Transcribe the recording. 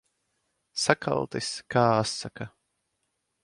Sakaltis kā asaka.